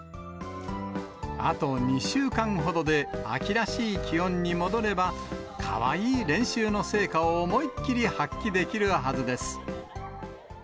あと２週間ほどで秋らしい気温に戻れば、かわいい練習の成果を思いっきり発揮できるはずです。